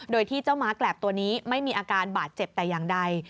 โดยที่เจ้าม้าแกรบตัวนี้ไม่มีอาการบาดเจ็บแต่อย่างใด